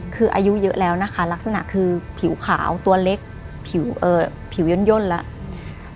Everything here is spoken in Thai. คืออายุเยอะแล้วนะคะลักษณะคือผิวขาวตัวเล็กผิวย่นแล้ว